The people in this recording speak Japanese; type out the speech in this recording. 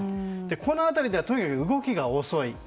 この辺りでは特に動きが遅い。